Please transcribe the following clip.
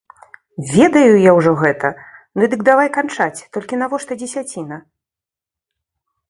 Ведаю я ўжо гэта, ну дык давай канчаць, толькі навошта дзесяціна?